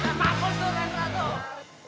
kapun tuh redra tuh